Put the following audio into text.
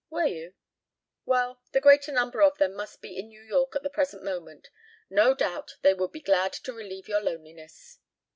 "Were you? Well, the greater number of them must be in New York at the present moment. No doubt they would be glad to relieve your loneliness."